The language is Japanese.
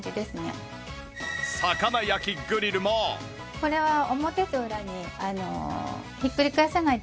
これは表と裏に。